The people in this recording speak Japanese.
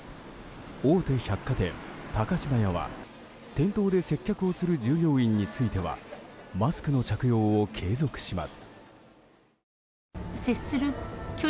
大手百貨店、高島屋は店頭で接客をする従業員についてはマスクの着用を継続します。